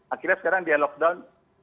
akhirnya sekarang dia lockdown